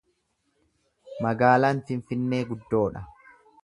Magaalaan Finfinnee guddoo dha.